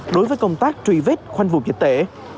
đối với công tác truy vết khoanh vùng dịch tễ